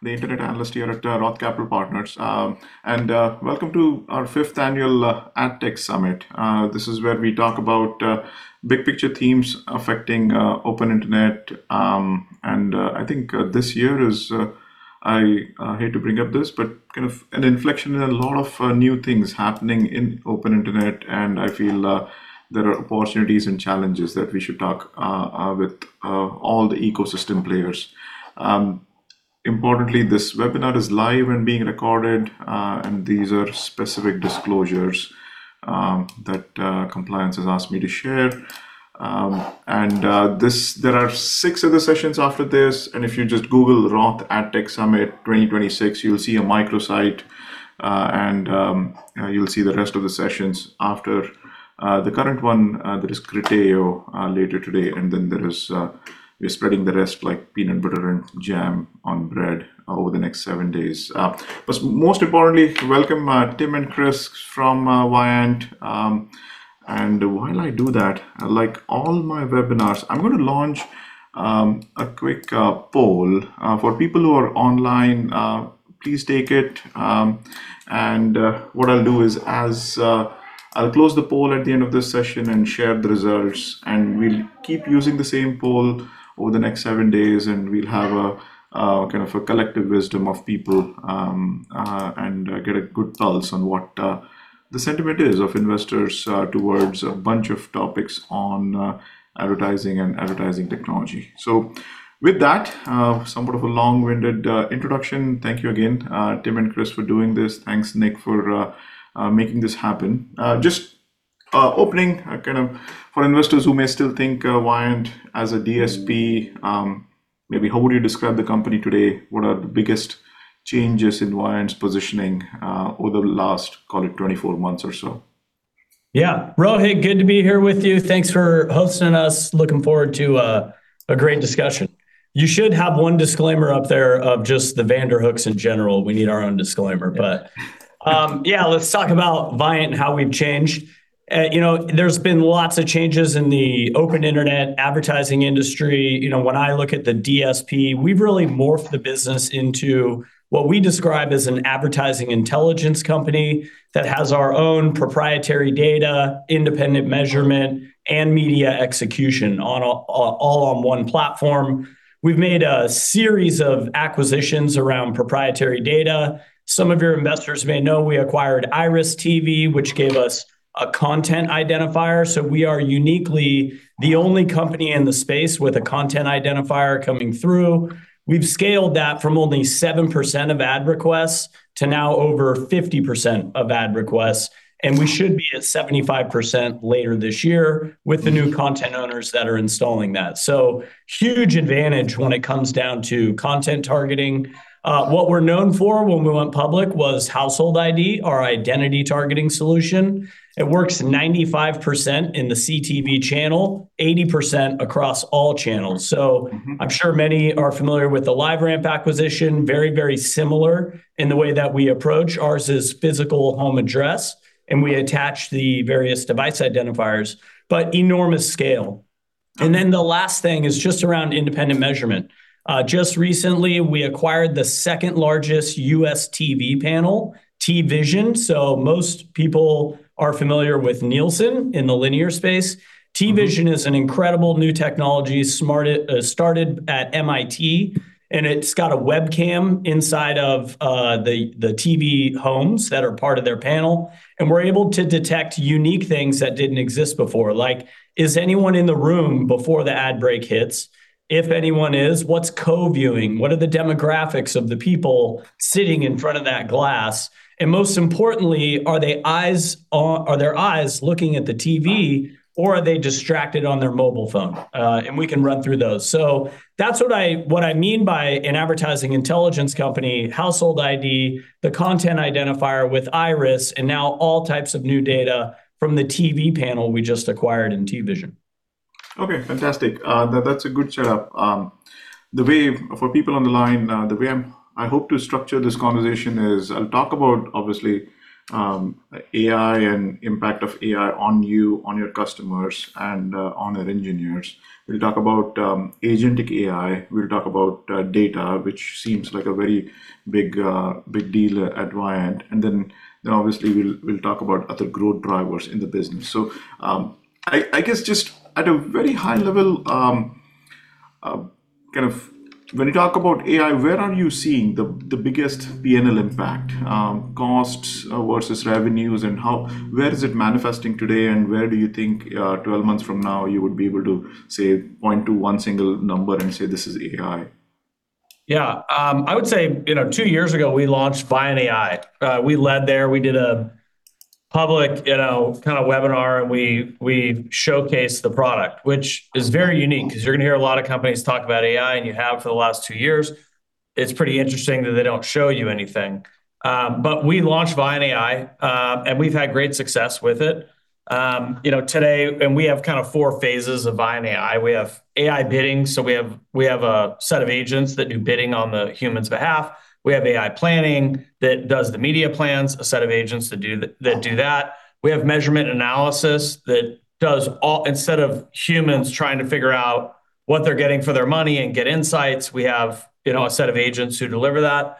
The Internet Analyst here at ROTH Capital Partners. Welcome to our fifth annual AdTech Summit. This is where we talk about big picture themes affecting open internet. I think this year is, I hate to bring up this, but kind of an inflection in a lot of new things happening in open internet, and I feel there are opportunities and challenges that we should talk with all the ecosystem players. Importantly, this webinar is live and being recorded, and these are specific disclosures that compliance has asked me to share. There are six other sessions after this, and if you just Google ROTH AdTech Summit 2026, you'll see a microsite, and you'll see the rest of the sessions after the current one. There is Criteo later today, and then we are spreading the rest like peanut butter and jam on bread over the next seven days. Most importantly, welcome Tim and Chris from Viant. While I do that, like all my webinars, I'm going to launch a quick poll. For people who are online, please take it. What I'll do is, I'll close the poll at the end of this session and share the results, and we'll keep using the same poll over the next seven days, and we'll have a kind of a collective wisdom of people, and get a good pulse on what the sentiment is of investors towards a bunch of topics on advertising and advertising technology. With that, somewhat of a long-winded introduction, thank you again Tim and Chris for doing this. Thanks, Nick, for making this happen. Just opening, kind of for investors who may still think of Viant as a DSP, maybe how would you describe the company today? What are the biggest changes in Viant's positioning over the last, call it, 24 months or so? Yeah. Rohit, good to be here with you. Thanks for hosting us. Looking forward to a great discussion. You should have one disclaimer up there of just the Vanderhooks in general. We need our own disclaimer. Yeah, let's talk about Viant and how we've changed. There's been lots of changes in the open internet advertising industry. When I look at the DSP, we've really morphed the business into what we describe as an advertising intelligence company that has our own proprietary data, independent measurement, and media execution all on one platform. We've made a series of acquisitions around proprietary data. Some of your investors may know we acquired IRIS.TV, which gave us a content identifier. We are uniquely the only company in the space with a content identifier coming through. We've scaled that from only 7% of ad requests to now over 50% of ad requests, and we should be at 75% later this year with the new content owners that are installing that. Huge advantage when it comes down to content targeting. What we're known for when we went public was Household ID, our identity targeting solution. It works 95% in the CTV channel, 80% across all channels. I'm sure many are familiar with the LiveRamp acquisition. Very similar in the way that we approach. Ours is physical home address, and we attach the various device identifiers, but enormous scale. The last thing is just around independent measurement. Just recently, we acquired the second-largest U.S. TV panel, TVision. Most people are familiar with Nielsen in the linear space. TVision is an incredible new technology, started at MIT, and it's got a webcam inside of the TV homes that are part of their panel. We're able to detect unique things that didn't exist before, like is anyone in the room before the ad break hits? If anyone is, what's co-viewing? What are the demographics of the people sitting in front of that glass? Most importantly, are their eyes looking at the TV or are they distracted on their mobile phone? We can run through those. That's what I mean by an advertising intelligence company, Household ID, the content identifier with IRIS, and now all types of new data from the TV panel we just acquired in TVision. Okay, fantastic. That's a good setup. For people on the line, the way I hope to structure this conversation is I'll talk about, obviously, AI and impact of AI on you, on your customers, and on your engineers. We'll talk about agentic AI, we'll talk about data, which seems like a very big deal at Viant. Obviously, we'll talk about other growth drivers in the business. I guess just at a very high level, when you talk about AI, where are you seeing the biggest P&L impact, costs versus revenues, and where is it manifesting today, and where do you think 12 months from now you would be able to, say, point to one single number and say, "This is AI"? Yeah. I would say, two years ago we launched ViantAI. We led there. We did a public kind of webinar. We showcased the product, which is very unique because you're going to hear a lot of companies talk about AI, and you have for the last two years. It's pretty interesting that they don't show you anything. We launched ViantAI, and we've had great success with it. Today, we have kind of four phases of ViantAI. We have AI Bidding, we have a set of agents that do bidding on the human's behalf. We have AI Planning that does the media plans, a set of agents that do that. We have Measurement Analysis that does, instead of humans trying to figure out what they're getting for their money and get insights. We have a set of agents who deliver that.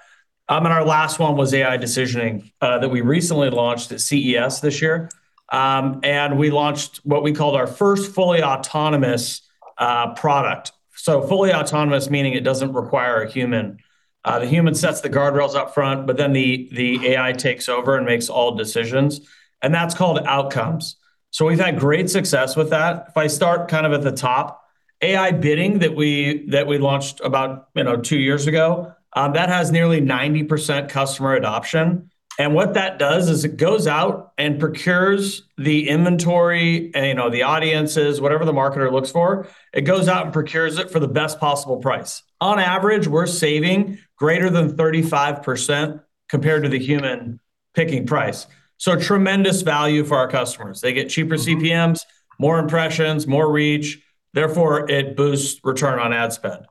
Our last one was AI Decisioning, that we recently launched at CES this year. We launched what we called our first fully autonomous product. Fully autonomous, meaning it doesn't require a human. The human sets the guardrails up front, but the AI takes over and makes all decisions, and that's called Outcomes. We've had great success with that. If I start at the top, AI Bidding that we launched about two years ago, that has nearly 90% customer adoption. What that does is it goes out and procures the inventory and the audiences, whatever the marketer looks for. It goes out and procures it for the best possible price. On average, we're saving greater than 35% compared to the human picking price. Tremendous value for our customers. They get cheaper CPMs, more impressions, more reach, therefore it boosts return on ad spend.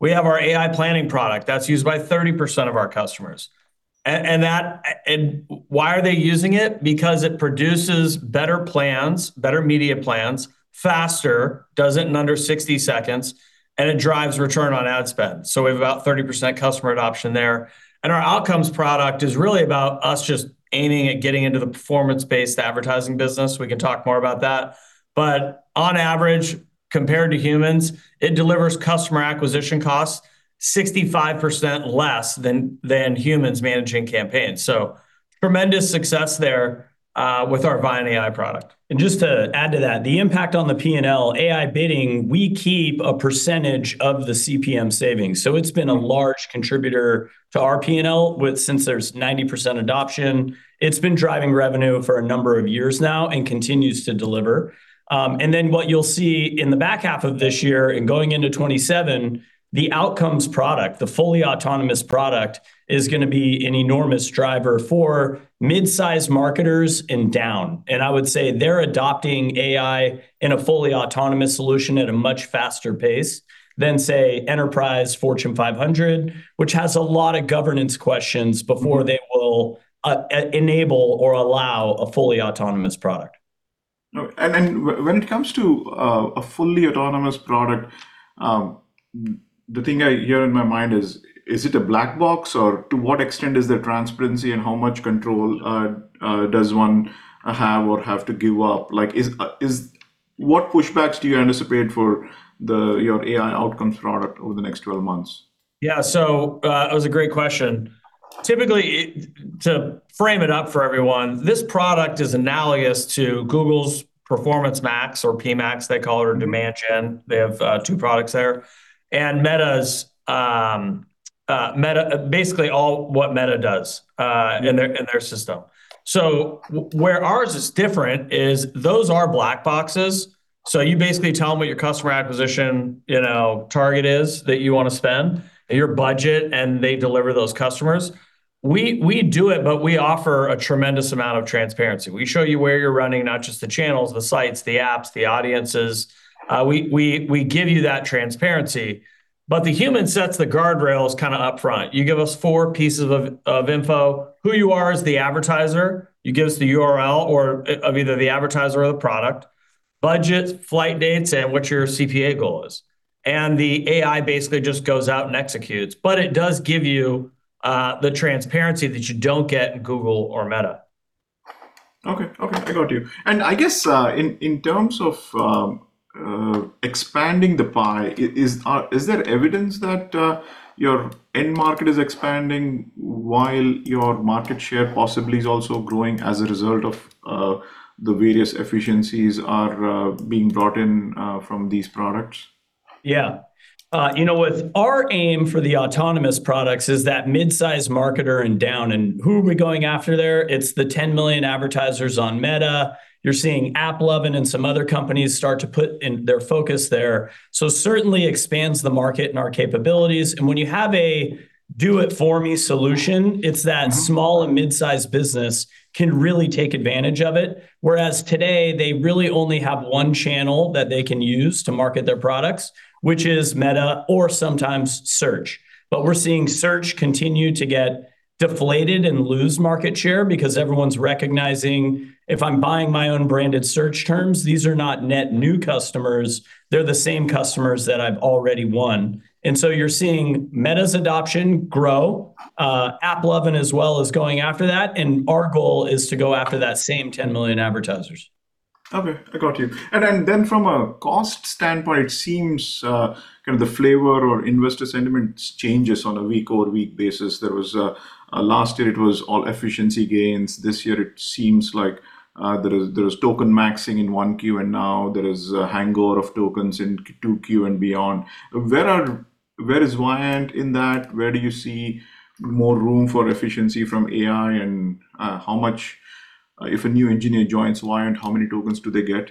We have our AI Planning product that's used by 30% of our customers. Why are they using it? Because it produces better media plans faster, does it in under 60 seconds, and it drives return on ad spend. We have about 30% customer adoption there. Our Outcomes product is really about us just aiming at getting into the performance-based advertising business. We can talk more about that. On average, compared to humans, it delivers customer acquisition costs 65% less than humans managing campaigns. Tremendous success there with our ViantAI product. Just to add to that, the impact on the P&L AI Bidding, we keep a percentage of the CPM savings. It's been a large contributor to our P&L. Since there's 90% adoption, it's been driving revenue for a number of years now and continues to deliver. What you'll see in the back half of this year and going into 2027, the Outcomes product, the fully autonomous product, is going to be an enormous driver for mid-size marketers and down. I would say they're adopting AI in a fully autonomous solution at a much faster pace than, say, Enterprise Fortune 500, which has a lot of governance questions before they will enable or allow a fully autonomous product. When it comes to a fully autonomous product, the thing I hear in my mind is it a black box or to what extent is there transparency and how much control does one have or have to give up? What pushbacks do you anticipate for your AI Outcomes product over the next 12 months? That was a great question. Typically, to frame it up for everyone, this product is analogous to Google's Performance Max or PMax they call it or Demand Gen. They have two products there. Basically all what Meta does in their system. Where ours is different is those are black boxes. You basically tell them what your customer acquisition target is that you want to spend, your budget, and they deliver those customers. We do it, but we offer a tremendous amount of transparency. We show you where you're running, not just the channels, the sites, the apps, the audiences. We give you that transparency. The human sets the guardrails upfront. You give us four pieces of info, who you are as the advertiser, you give us the URL of either the advertiser or the product, budget, flight dates, and what your CPA goal is. The AI basically just goes out and executes. It does give you the transparency that you don't get in Google or Meta. Okay. I got you. I guess, in terms of expanding the pie, is there evidence that your end market is expanding while your market share possibly is also growing as a result of the various efficiencies are being brought in from these products? Yeah. With our aim for the autonomous products is that mid-size marketer and down, who are we going after there? It's the 10 million advertisers on Meta. You're seeing AppLovin and some other companies start to put in their focus there. Certainly expands the market and our capabilities. When you have a do it for me solution, it's that small and mid-size business can really take advantage of it. Whereas today, they really only have one channel that they can use to market their products, which is Meta or sometimes search. We're seeing search continue to get deflated and lose market share because everyone's recognizing, if I'm buying my own branded search terms, these are not net new customers, they're the same customers that I've already won. You're seeing Meta's adoption grow, AppLovin as well is going after that, and our goal is to go after that same 10 million advertisers. Okay. I got you. From a cost standpoint, it seems kind of the flavor or investor sentiment changes on a week-or-week basis. Last year, it was all efficiency gains. This year, it seems like there is token maxing in 1Q, and now there is a hangover of tokens in 2Q and beyond. Where is Viant in that? Where do you see more room for efficiency from AI? How much, if a new engineer joins Viant, how many tokens do they get?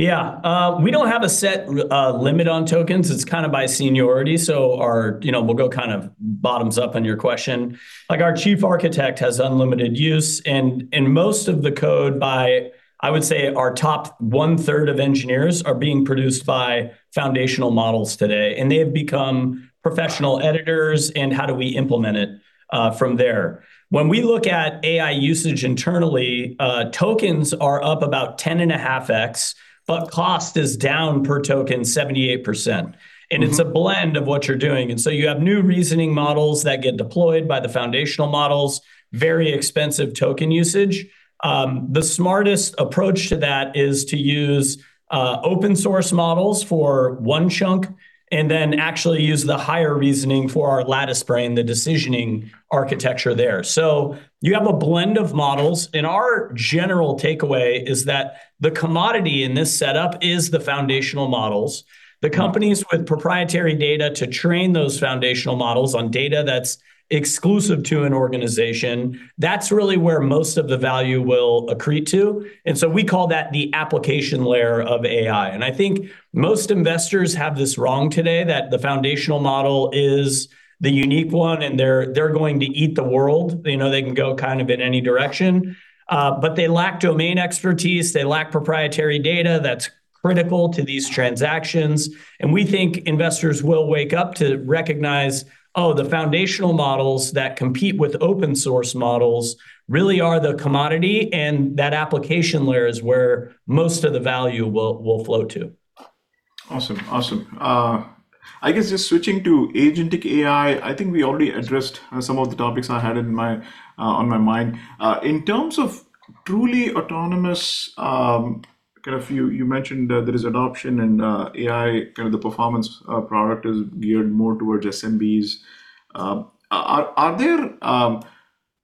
Yeah. We don't have a set limit on tokens. It's kind of by seniority. We'll go kind of bottoms up on your question. Our chief architect has unlimited use, and most of the code by, I would say, our top 1/3 of engineers are being produced by foundational models today, and they have become professional editors, and how do we implement it from there? When we look at AI usage internally, tokens are up about 10.5x, but cost is down per token 78%. It's a blend of what you're doing. You have new reasoning models that get deployed by the foundational models, very expensive token usage. The smartest approach to that is to use open source models for one chunk, and then actually use the higher reasoning for our Lattice Brain, the decisioning architecture there. You have a blend of models and our general takeaway is that the commodity in this setup is the foundational models. The companies with proprietary data to train those foundational models on data that's exclusive to an organization, that's really where most of the value will accrete to. We call that the application layer of AI. I think most investors have this wrong today, that the foundational model is the unique one, and they're going to eat the world. They know they can go kind of in any direction. They lack domain expertise. They lack proprietary data that's critical to these transactions. We think investors will wake up to recognize, "Oh, the foundational models that compete with open source models really are the commodity," and that application layer is where most of the value will flow to. Awesome. I guess just switching to agentic AI, I think we already addressed some of the topics I had on my mind. In terms of truly autonomous, you mentioned there is adoption and AI, kind of the performance product is geared more towards SMBs.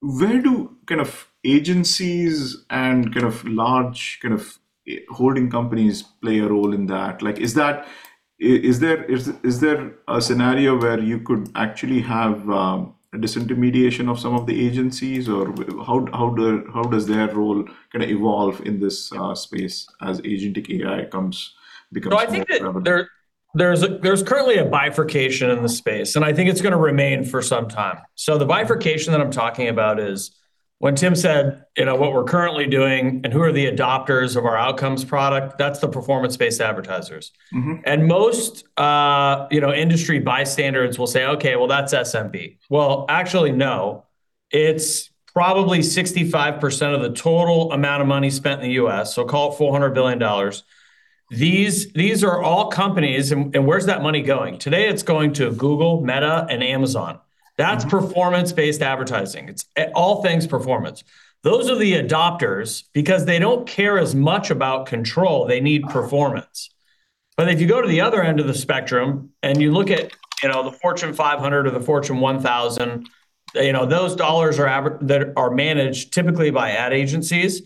Where do agencies and large holding companies play a role in that? Is there a scenario where you could actually have a disintermediation of some of the agencies or how does their role evolve in this space as agentic AI becomes more prevalent? No, I think that there's currently a bifurcation in the space. I think it's going to remain for some time. The bifurcation that I'm talking about is when Tim said, what we're currently doing and who are the adopters of our Outcomes product, that's the performance-based advertisers. Most industry bystanders will say, "Okay, well, that's SMB." Well, actually, no. It's probably 65% of the total amount of money spent in the U.S., call it $400 billion. These are all companies. Where's that money going? Today, it's going to Google, Meta, and Amazon. That's performance-based advertising. It's all things performance. Those are the adopters because they don't care as much about control, they need performance. If you go to the other end of the spectrum and you look at the Fortune 500 or the Fortune 1000, those dollars that are managed typically by ad agencies,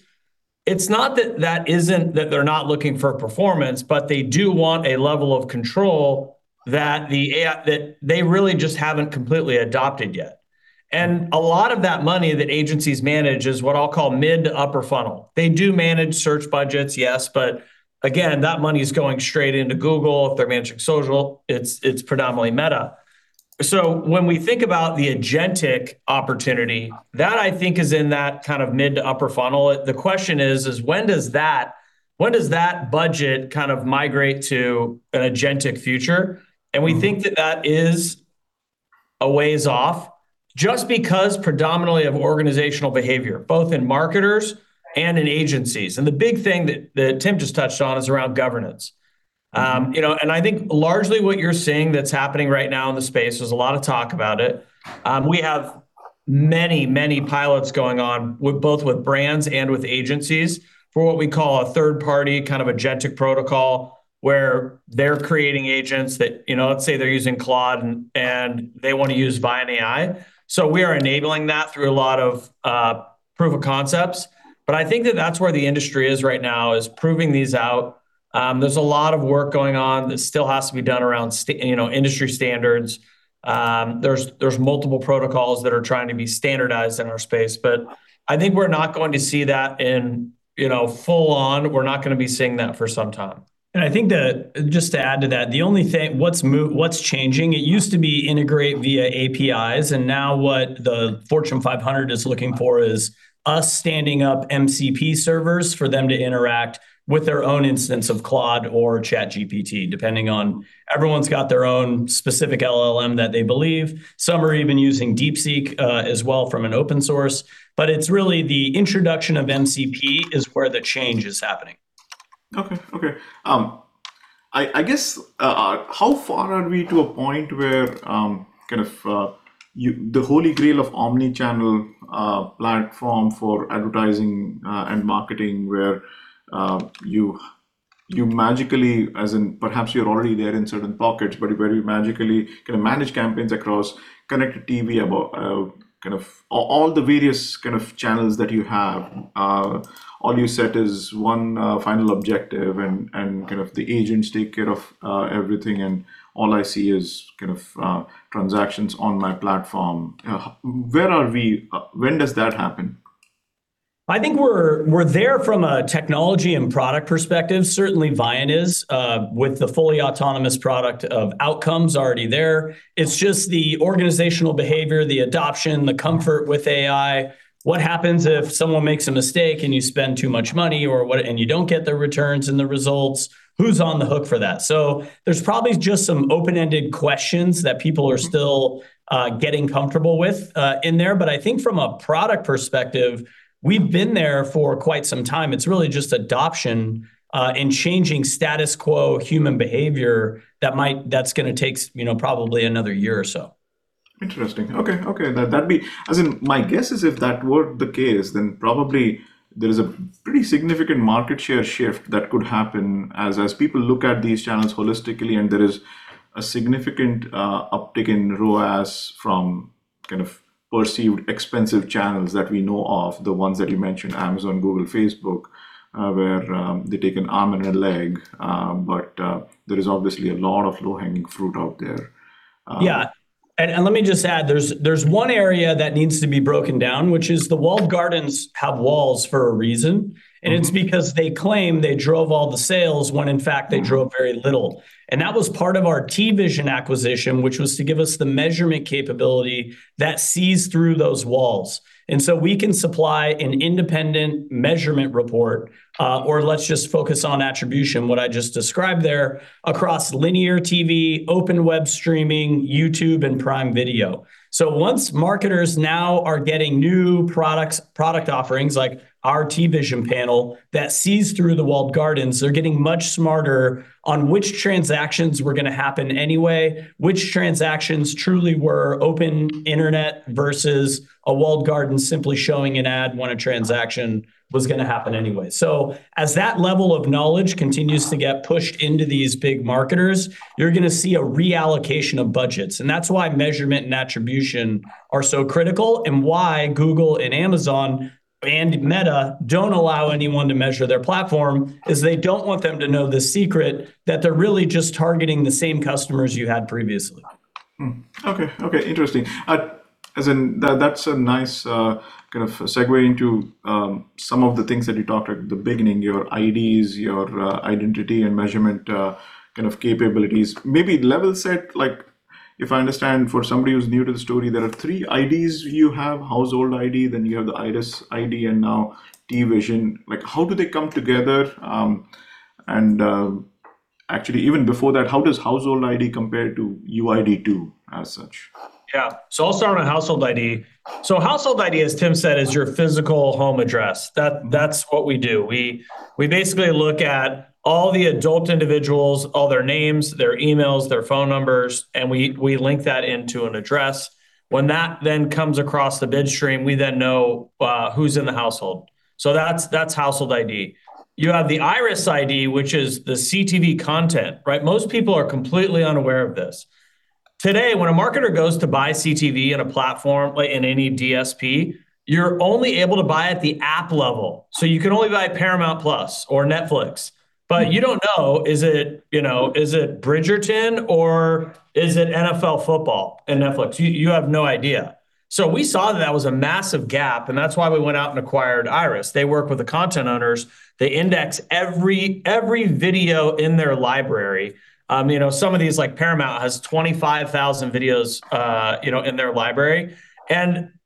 it's not that they're not looking for performance, but they do want a level of control that they really just haven't completely adopted yet. A lot of that money that agencies manage is what I'll call mid to upper funnel. They do manage search budgets, yes. Again, that money's going straight into Google. If they're managing social, it's predominantly Meta. When we think about the agentic opportunity, that I think is in that kind of mid to upper funnel. The question is, when does that budget kind of migrate to an agentic future? We think that that is a ways off, just because predominantly of organizational behavior, both in marketers and in agencies. The big thing that Tim just touched on is around governance. I think largely what you're seeing that's happening right now in the space, there's a lot of talk about it. We have many pilots going on, both with brands and with agencies, for what we call a third-party kind of agentic protocol, where they're creating agents that, let's say they're using Claude, and they want to use ViantAI. We are enabling that through a lot of proof of concepts. I think that that's where the industry is right now, is proving these out. There's a lot of work going on that still has to be done around industry standards. There's multiple protocols that are trying to be standardized in our space, but I think we're not going to see that in full on. We're not going to be seeing that for some time. I think that just to add to that, the only thing, what's changing, it used to be integrate via APIs. Now what the Fortune 500 is looking for is us standing up MCP servers for them to interact with their own instance of Claude or ChatGPT, depending on everyone's got their own specific LLM that they believe. Some are even using DeepSeek, as well, from an open source. It's really the introduction of MCP is where the change is happening. Okay. I guess, how far are we to a point where the holy grail of omnichannel platform for advertising and marketing where you magically, as in perhaps you're already there in certain pockets, but where you magically kind of manage campaigns across connected TV about all the various kind of channels that you have? All you set is one final objective, and the agents take care of everything, and all I see is transactions on my platform. When does that happen? I think we're there from a technology and product perspective. Certainly Viant is with the fully autonomous product of Outcomes already there. It's just the organizational behavior, the adoption, the comfort with AI. What happens if someone makes a mistake and you spend too much money or what, and you don't get the returns and the results? Who's on the hook for that? There's probably just some open-ended questions that people are still getting comfortable with in there. I think from a product perspective, we've been there for quite some time. It's really just adoption, and changing status quo human behavior that's going to take probably another year or so. Interesting. Okay. My guess is if that were the case, probably there is a pretty significant market share shift that could happen as people look at these channels holistically, and there is a significant uptick in ROAS from kind of perceived expensive channels that we know of, the ones that you mentioned, Amazon, Google, Facebook, where they take an arm and a leg. There is obviously a lot of low-hanging fruit out there. Yeah. Let me just add, there's one area that needs to be broken down, which is the walled gardens have walls for a reason. It's because they claim they drove all the sales when in fact they drove very little. That was part of our TVision acquisition, which was to give us the measurement capability that sees through those walls. We can supply an independent measurement report or let's just focus on attribution, what I just described there, across linear TV, open web streaming, YouTube, and Prime Video. Once marketers now are getting new product offerings like our TVision panel that sees through the walled gardens, they're getting much smarter on which transactions were going to happen anyway, which transactions truly were open internet versus a walled garden simply showing an ad when a transaction was going to happen anyway. As that level of knowledge continues to get pushed into these big marketers, you're going to see a reallocation of budgets. That's why measurement and attribution are so critical and why Google and Amazon and Meta don't allow anyone to measure their platform, is they don't want them to know the secret that they're really just targeting the same customers you had previously. Okay. Interesting. That's a nice kind of segue into some of the things that you talked at the beginning, your IDs, your identity, and measurement kind of capabilities. Maybe level set, if I understand, for somebody who's new to the story, there are three IDs you have, Household ID, then you have the IRIS_ID, and now TVision. How do they come together? Actually even before that, how does Household ID compare to UID2 as such? Yeah. I'll start on Household ID. Household ID, as Tim said, is your physical home address. That's what we do. We basically look at all the adult individuals, all their names, their emails, their phone numbers, and we link that into an address. When that then comes across the bid stream, we then know who's in the household. That's Household ID. You have the IRIS_ID, which is the CTV content, right? Most people are completely unaware of this. Today, when a marketer goes to buy CTV in a platform like in any DSP, you're only able to buy at the app level. You can only buy Paramount+ or Netflix, but you don't know, is it "Bridgerton" or is it NFL football in Netflix? You have no idea. We saw that that was a massive gap, that's why we went out and acquired IRIS. They work with the content owners. They index every video in their library. Some of these, like Paramount has 25,000 videos in their library.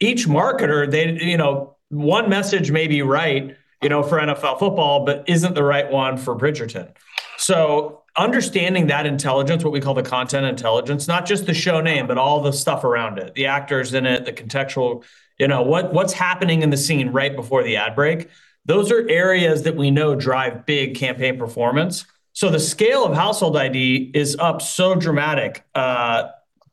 Each marketer, one message may be right for NFL football but isn't the right one for "Bridgerton". Understanding that intelligence, what we call the content intelligence, not just the show name, but all the stuff around it, the actors in it, the contextual, what's happening in the scene right before the ad break, those are areas that we know drive big campaign performance. The scale of Household ID is up so dramatic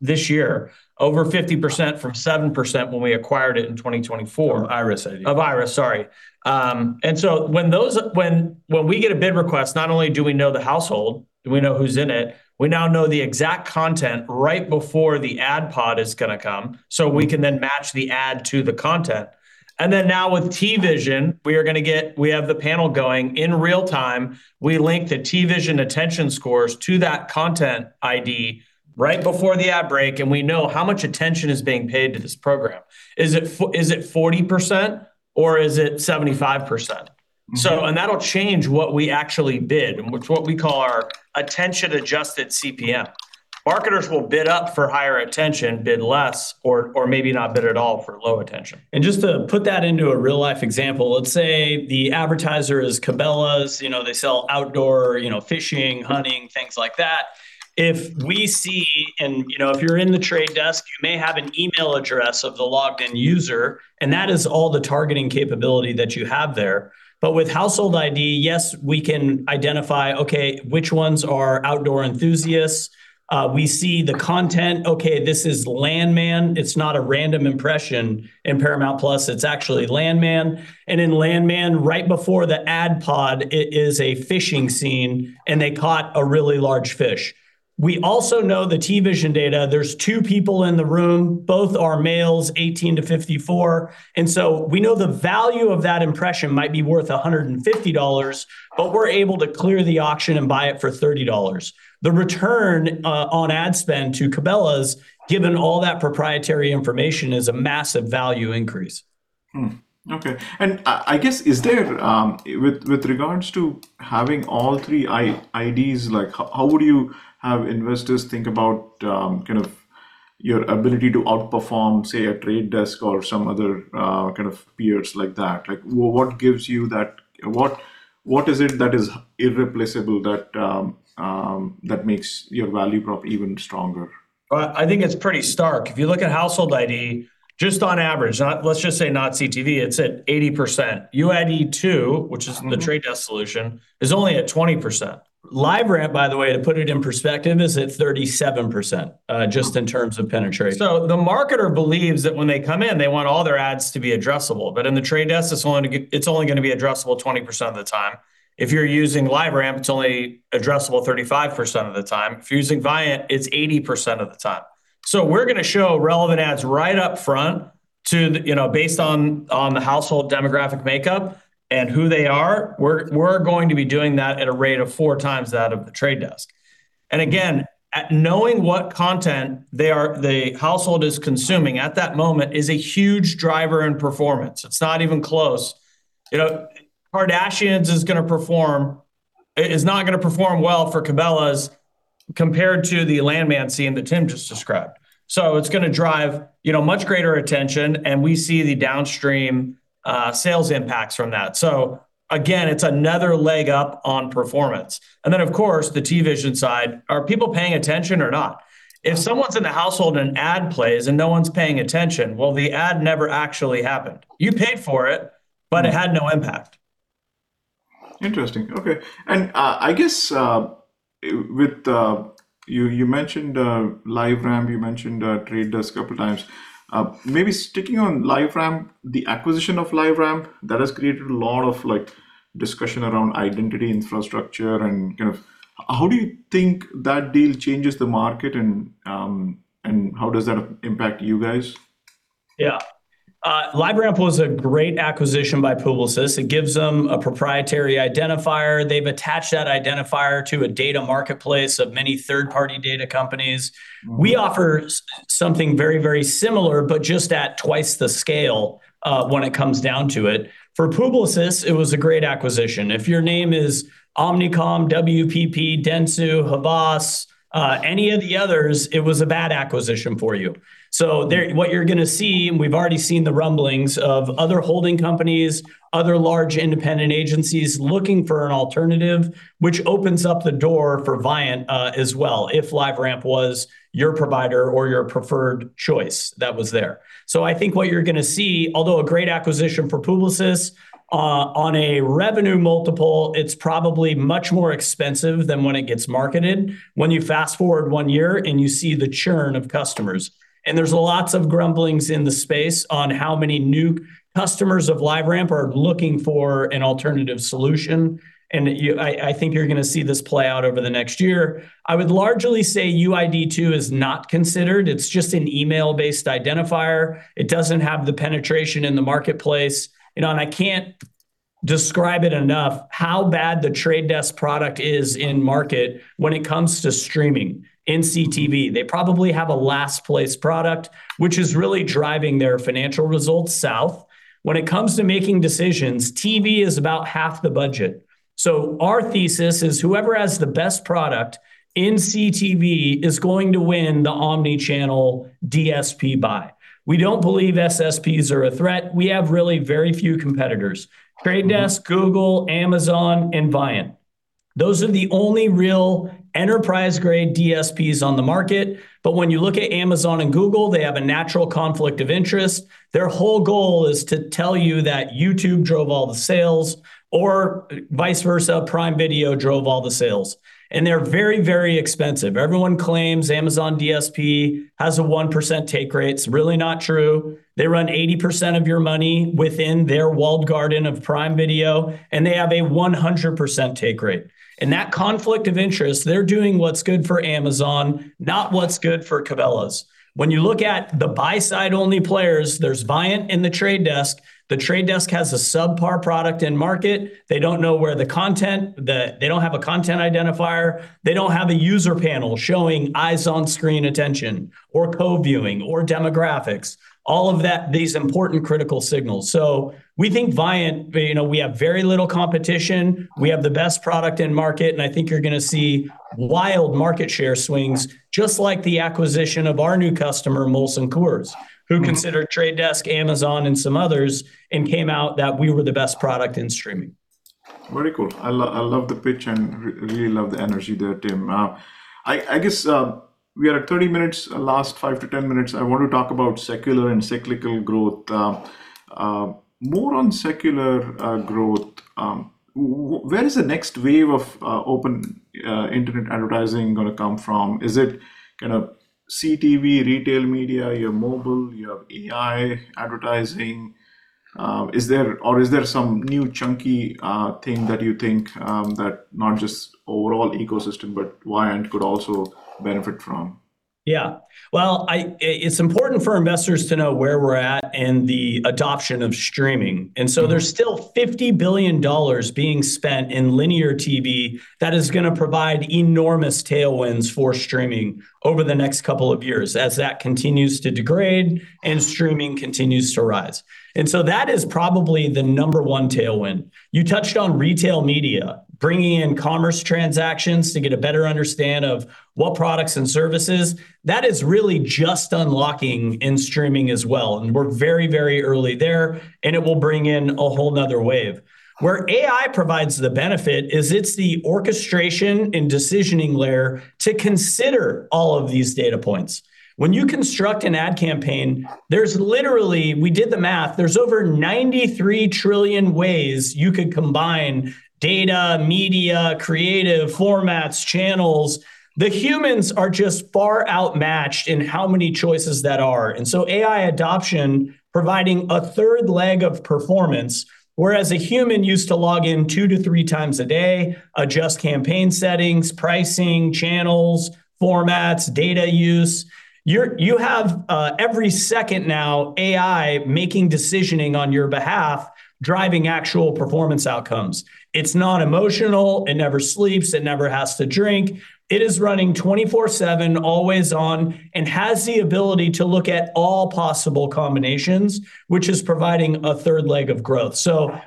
this year, over 50% from 7% when we acquired it in 2024. Of IRIS_ID. Of IRIS, sorry. When we get a bid request, not only do we know the household and we know who's in it, we now know the exact content right before the ad pod is going to come, so we can then match the ad to the content. Then now with TVision, we have the panel going in real time. We link the TVision attention scores to that content ID right before the ad break, and we know how much attention is being paid to this program. Is it 40% or is it 75%? That'll change what we actually bid, and it's what we call our attention-adjusted CPM. Marketers will bid up for higher attention, bid less, or maybe not bid at all for low attention. Just to put that into a real-life example, let's say the advertiser is Cabela's. They sell outdoor fishing, hunting, things like that. If we see, if you're in The Trade Desk, you may have an email address of the logged-in user, and that is all the targeting capability that you have there. With Household ID, yes, we can identify, okay, which ones are outdoor enthusiasts? We see the content. Okay, this is "Landman." It's not a random impression in Paramount+. It's actually "Landman." In "Landman," right before the ad pod, it is a fishing scene, and they caught a really large fish. We also know the TVision data. There's two people in the room, both are males, 18-54. So we know the value of that impression might be worth $150, but we're able to clear the auction and buy it for $30. The return on ad spend to Cabela's, given all that proprietary information, is a massive value increase. Okay. I guess with regards to having all three IDs, how would you have investors think about your ability to outperform, say, a The Trade Desk or some other kind of peers like that? What is it that is irreplaceable that makes your value prop even stronger? I think it's pretty stark. If you look at Household ID, just on average, let's just say not CTV, it's at 80%. UID2, which is the The Trade Desk solution, is only at 20%. LiveRamp, by the way, to put it in perspective, is at 37%, just in terms of penetration. The marketer believes that when they come in, they want all their ads to be addressable. In the The Trade Desk, it's only going to be addressable 20% of the time. If you're using LiveRamp, it's only addressable 35% of the time. If you're using Viant, it's 80% of the time. We're going to show relevant ads right up front based on the household demographic makeup and who they are. We're going to be doing that at a rate of 4x that of The Trade Desk. Again, knowing what content the household is consuming at that moment is a huge driver in performance. It's not even close. The Kardashians is not going to perform well for Cabela's compared to "Landman" scene that Tim just described. It's going to drive much greater attention, and we see the downstream sales impacts from that. Again, it's another leg up on performance. Then, of course, the TV side, are people paying attention or not? If someone's in the household and an ad plays and no one's paying attention, well, the ad never actually happened. You paid for it, but it had no impact. Interesting. Okay. I guess you mentioned LiveRamp, you mentioned The Trade Desk a couple times. Maybe sticking on LiveRamp, the acquisition of LiveRamp, that has created a lot of discussion around identity infrastructure and how do you think that deal changes the market, and how does that impact you guys? LiveRamp was a great acquisition by Publicis. It gives them a proprietary identifier. They've attached that identifier to a data marketplace of many third-party data companies. We offer something very, very similar, but just at twice the scale when it comes down to it. For Publicis, it was a great acquisition. If your name is Omnicom, WPP, Dentsu, Havas, any of the others, it was a bad acquisition for you. What you're going to see, and we've already seen the rumblings of other holding companies, other large independent agencies looking for an alternative, which opens up the door for Viant as well, if LiveRamp was your provider or your preferred choice that was there. I think what you're going to see, although a great acquisition for Publicis, on a revenue multiple, it's probably much more expensive than when it gets marketed when you fast-forward one year and you see the churn of customers. There's lots of grumblings in the space on how many new customers of LiveRamp are looking for an alternative solution, and I think you're going to see this play out over the next year. I would largely say UID2 is not considered. It's just an email-based identifier. It doesn't have the penetration in the marketplace, and I can't describe it enough how bad The Trade Desk product is in-market when it comes to streaming in CTV. They probably have a last-place product, which is really driving their financial results south. When it comes to making decisions, TV is about half the budget. Our thesis is whoever has the best product in CTV is going to win the omnichannel DSP buy. We don't believe SSPs are a threat. We have really very few competitors. The Trade Desk, Google, Amazon, and Viant. Those are the only real enterprise-grade DSPs on the market. When you look at Amazon and Google, they have a natural conflict of interest. Their whole goal is to tell you that YouTube drove all the sales, or vice versa, Prime Video drove all the sales. They're very, very expensive. Everyone claims Amazon DSP has a 1% take rate. It's really not true. They run 80% of your money within their walled garden of Prime Video, and they have a 100% take rate. That conflict of interest, they're doing what's good for Amazon, not what's good for Cabela's. When you look at the buy side-only players, there's Viant and The Trade Desk. The Trade Desk has a subpar product in-market. They don't know where the content, they don't have a content identifier. They don't have a user panel showing eyes on screen attention or co-viewing or demographics, all of these important critical signals. We think Viant, we have very little competition. We have the best product in market and I think you're going to see wild market share swings, just like the acquisition of our new customer, Molson Coors, who considered The Trade Desk, Amazon, and some others, and came out that we were the best product in streaming. Very cool. I love the pitch and really love the energy there, Tim. I guess we are at 30 minutes. Last 5-10 minutes, I want to talk about secular and cyclical growth. More on secular growth. Where is the next wave of open internet advertising going to come from? Is it CTV, retail media, you have mobile, you have AI advertising? Or is there some new chunky thing that you think that not just overall ecosystem, but Viant could also benefit from? Yeah. Well, it's important for investors to know where we're at in the adoption of streaming. There's still $50 billion being spent in linear TV that is going to provide enormous tailwinds for streaming over the next couple of years as that continues to degrade and streaming continues to rise. That is probably the number one tailwind. You touched on retail media, bringing in commerce transactions to get a better understand of what products and services. That is really just unlocking in streaming as well, and we're very early there, and it will bring in a whole another wave. Where AI provides the benefit is it's the orchestration and decisioning layer to consider all of these data points. When you construct an ad campaign, we did the math, there's over 93 trillion ways you could combine data, media, creative formats, channels. The humans are just far outmatched in how many choices that are. AI adoption providing a third leg of performance, whereas a human used to log in two to three times a day, adjust campaign settings, pricing, channels, formats, data use. You have, every second now, AI making decisioning on your behalf, driving actual performance outcomes. It's not emotional. It never sleeps. It never has to drink. It is running 24/7, always on, and has the ability to look at all possible combinations, which is providing a third leg of growth.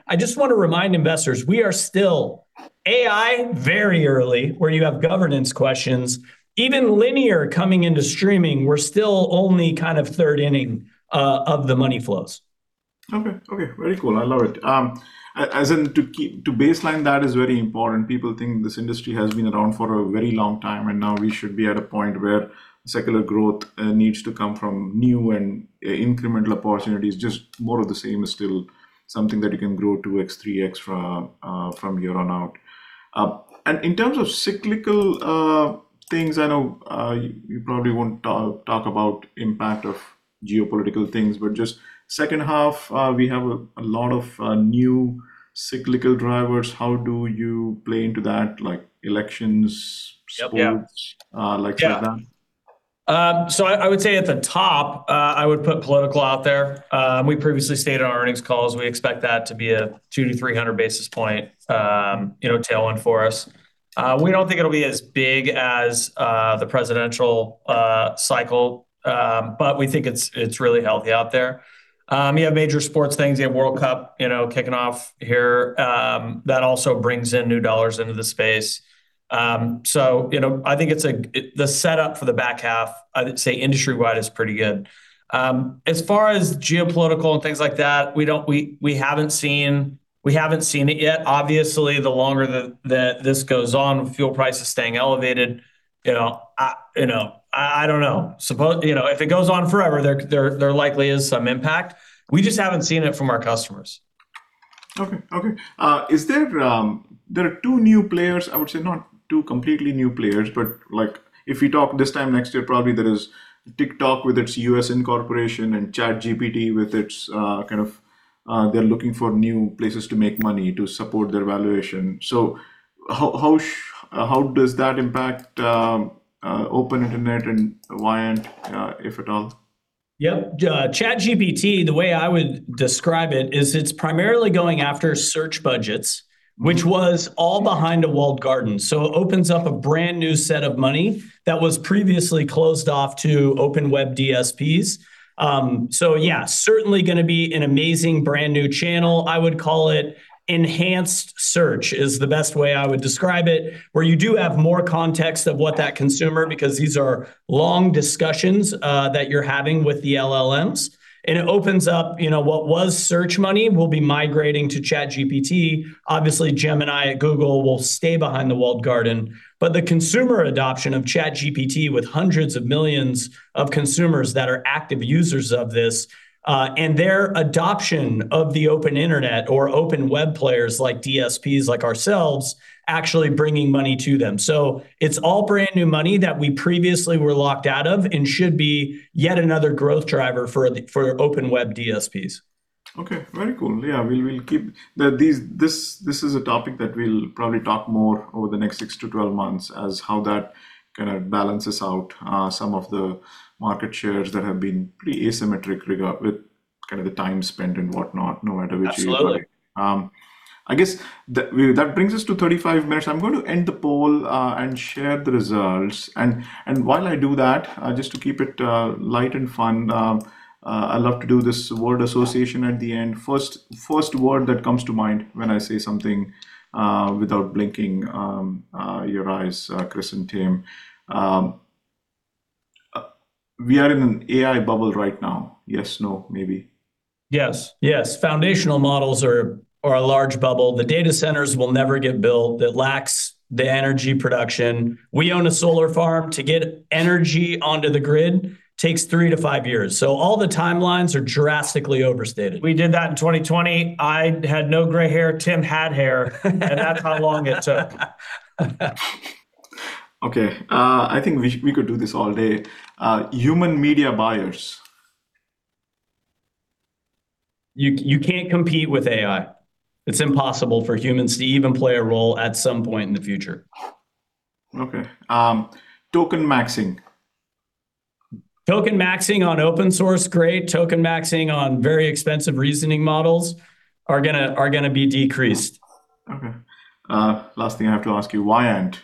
I just want to remind investors, we are still AI very early, where you have governance questions. Even linear coming into streaming, we're still only third inning of the money flows. Okay. Very cool. I love it. To baseline that is very important. People think this industry has been around for a very long time, now we should be at a point where secular growth needs to come from new and incremental opportunities. Just more of the same is still something that you can grow 2x, 3x from here on out. In terms of cyclical things, I know you probably won't talk about impact of geopolitical things, but just second half, we have a lot of new cyclical drivers. How do you play into that, like elections, sports, lectures on? I would say at the top, I would put political out there. We previously stated on our earnings calls, we expect that to be a 200-300 basis point tailwind for us. We don't think it'll be as big as the presidential cycle, but we think it's really healthy out there. You have major sports things. You have World Cup kicking off here. That also brings in new dollars into the space. I think the setup for the back half, I'd say industry-wide is pretty good. As far as geopolitical and things like that, we haven't seen it yet. Obviously, the longer that this goes on, with fuel prices staying elevated, I don't know. If it goes on forever, there likely is some impact. We just haven't seen it from our customers. Okay. There are two new players, I would say not two completely new players, but if we talk this time next year, probably there is TikTok with its U.S. incorporation and ChatGPT, they're looking for new places to make money to support their valuation. How does that impact open internet and Viant, if at all? Yeah. ChatGPT, the way I would describe it is it's primarily going after search budgets, which was all behind a walled garden. It opens up a brand new set of money that was previously closed off to open web DSPs. Yeah, certainly going to be an amazing brand new channel. I would call it enhanced search, is the best way I would describe it, where you do have more context of what that consumer, because these are long discussions that you're having with the LLMs, and it opens up what was search money will be migrating to ChatGPT. Obviously, Gemini at Google will stay behind the walled garden. The consumer adoption of ChatGPT with hundreds of millions of consumers that are active users of this, and their adoption of the open internet or open web players like DSPs like ourselves, actually bringing money to them. It's all brand new money that we previously were locked out of and should be yet another growth driver for open web DSPs. Okay. Very cool. Yeah. This is a topic that we'll probably talk more over the next 6-12 months as how that balances out some of the market shares that have been pretty asymmetric with the time spent and whatnot, no matter which way you put it. I guess that brings us to 35 minutes. I'm going to end the poll and share the results. While I do that, just to keep it light and fun, I love to do this word association at the end. First word that comes to mind when I say something, without blinking your eyes, Chris and Tim. We are in an AI bubble right now. Yes, no, maybe? Yes. Foundational models are a large bubble. The data centers will never get built. It lacks the energy production. We own a solar farm. To get energy onto the grid takes three to five years. All the timelines are drastically overstated. We did that in 2020. I had no gray hair. Tim had hair. That's how long it took. Okay. I think we could do this all day. Human media buyers? You can't compete with AI. It's impossible for humans to even play a role at some point in the future. Okay. Token maxing? Token maxing on open source, great. Token maxing on very expensive reasoning models are going to be decreased. Okay. Last thing I have to ask you, Viant?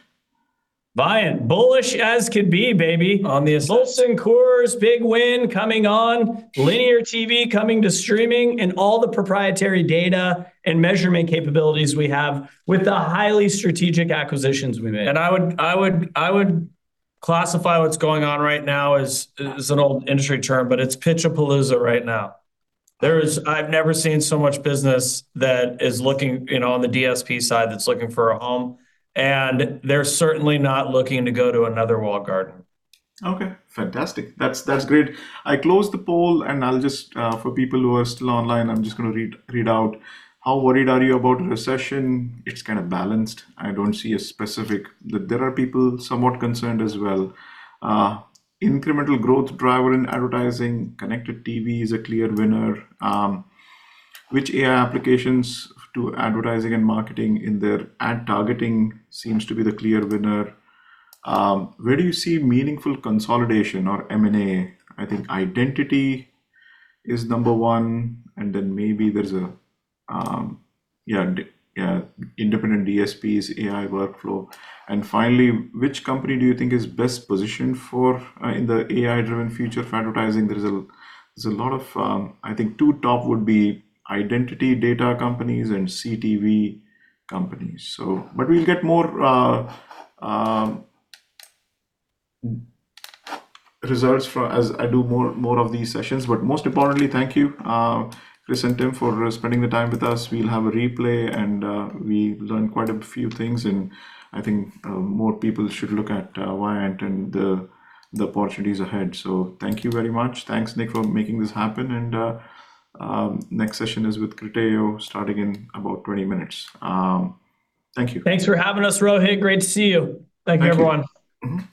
Viant, bullish as could be, baby, on the Molson Coors big win coming on, linear TV coming to streaming, and all the proprietary data and measurement capabilities we have with the highly strategic acquisitions we make. I would classify what's going on right now as an old industry term, but it's Pitchapalooza right now. I've never seen so much business that is on the DSP side that's looking for a home, they're certainly not looking to go to another walled garden. Okay, fantastic. That's great. I closed the poll, for people who are still online, I'm just going to read out. How worried are you about a recession? It's kind of balanced. I don't see a specific, but there are people somewhat concerned as well. Incremental growth driver in advertising, connected TV is a clear winner. Which AI applications to advertising and marketing in their ad targeting seems to be the clear winner. Where do you see meaningful consolidation or M&A? I think identity is number one, then maybe there's independent DSPs, AI workflow. Finally, which company do you think is best positioned in the AI-driven future of advertising? I think two top would be identity data companies and CTV companies. We'll get more results as I do more of these sessions. Most importantly, thank you, Chris and Tim, for spending the time with us. We'll have a replay, we learned quite a few things, I think more people should look at Viant and the opportunities ahead. Thank you very much. Thanks, Nick, for making this happen. Next session is with Criteo starting in about 20 minutes. Thank you. Thanks for having us, Rohit. Great to see you. Thank you, everyone.